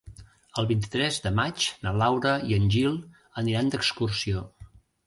El vint-i-tres de maig na Laura i en Gil aniran d'excursió.